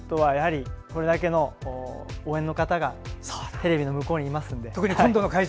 これだけの応援の方がテレビの向こうにいますので。